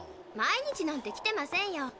毎日なんて来てませんよ。